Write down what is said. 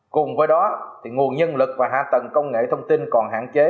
cùng với đó nguồn nhân lực và hạ tầng công nghệ thông tin còn hạn chế